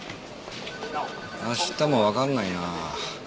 明日もわかんないな。